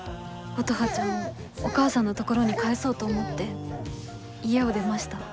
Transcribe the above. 乙葉ちゃんをお母さんのところに返そうと思って家を出ました。